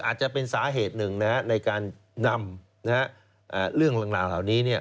อาจจะเป็นสาเหตุหนึ่งในการนำเรื่องราวเหล่านี้